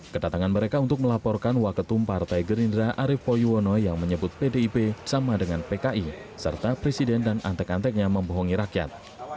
kedatangan mereka untuk melaporkan waketum partai gerindra arief poyuwono yang menyebut pdip sama dengan pki serta presiden dan antek anteknya membohongi rakyat